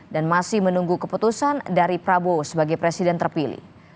dan masih menunggu keputusan dari prabowo sebagai presiden terpilih